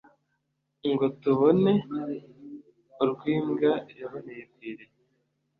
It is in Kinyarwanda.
ngo tubone urw’imbwa yaboneye kw’iriba